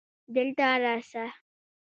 دلته راسه